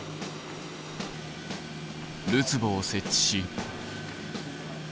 るつぼを設置し。